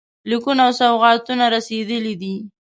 لیکونه او سوغاتونه رسېدلي دي.